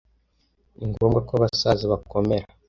Ni ngombwa ko abasaza bakomera.